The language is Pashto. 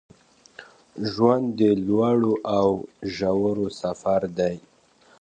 ژوند د لوړو او ژورو سفر دی